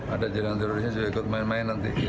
ada jaringan terorisnya juga ikut main main nanti